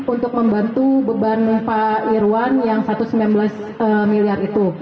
untuk membantu beban pak irwan yang satu ratus sembilan belas miliar itu